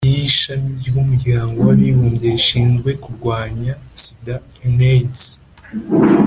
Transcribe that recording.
y’ishami ry’umuryango w’abibumbye rishinzwe kurwanya sida unaids.